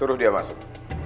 suruh dia masuk